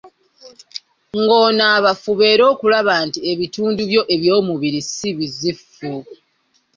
Ng'onaaba, fuba era okulaba nti ebitundu byo eby'omubiri si bizifu.